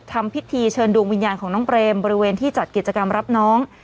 ทำพิธีเชิญดวงวิญญาณของน้องเปรมบริเวณที่จัดกิจกรรมรับน้อง